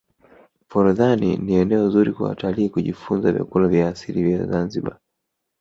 forodhani ni eneo zuri kwa watalii kujifunza vyakula vya asili ya zanzibar